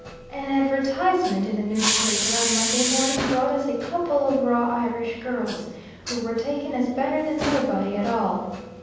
An advertisement in the newspaper on Monday morning, brought us a couple of raw Irish girls, who were taken as better than nobody at all.